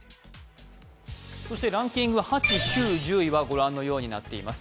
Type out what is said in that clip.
ランキング８、９、１０はご覧のようになっています。